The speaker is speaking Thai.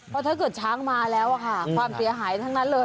เพราะถ้าเกิดช้างมาแล้วค่ะความเสียหายทั้งนั้นเลย